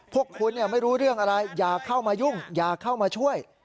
พวกคุณไม่รู้เรื่องอะไรอย่าเข้ามายุ่งอย่าเข้ามาช่วย